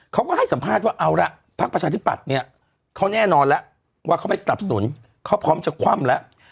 เขาก็ให้สัมภาษณ์ว่าเอาละพักประชาธิปัตย์เนี่ยเขาแน่นอนแล้วว่าเขาไม่สนับสนุนเขาพร้อมจะคว่ำแล้ว